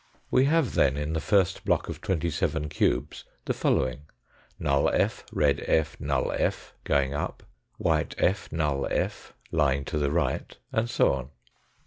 We have then in the first block of twenty seven cubes, the following null f., red f., null f., going up ; white f., null f., lying to the right, and so on.